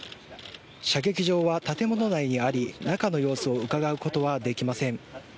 射撃場は建物内にあり中の様子をうかがうことはできません。